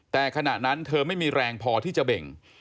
แต่ขณะนั้นเธอไม่มีแรงพอที่จะเบ่ง